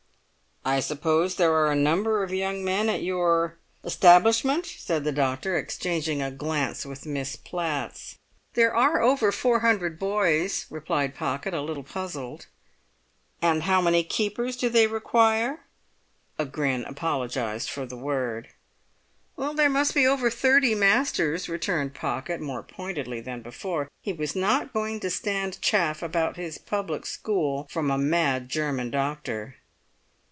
"I suppose there are a number of young men at your—establishment?" said the doctor, exchanging a glance with Miss Platts. "There are over four hundred boys," replied Pocket, a little puzzled. "And how many keepers do they require?" A grin apologised for the word. "There must be over thirty masters," returned Pocket more pointedly than before. He was not going to stand chaff about his public school from a mad German doctor.